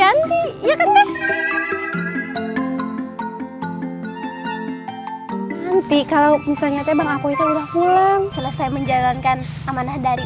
anti ya kan nanti kalau misalnya tebak aku udah pulang selesai menjalankan amanah dari